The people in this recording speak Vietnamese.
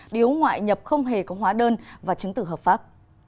điếu ngoại nhập không hề có hóa đơn và chứng tử hợp pháp